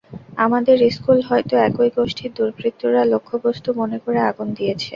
আমাদের স্কুলও হয়তো একই গোষ্ঠীর দুর্বৃত্তরা লক্ষ্যবস্তু মনে করে আগুন দিয়েছে।